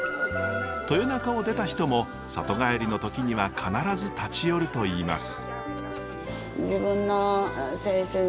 豊中を出た人も里帰りの時には必ず立ち寄るといいます。